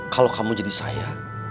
kalau kamu jadi saya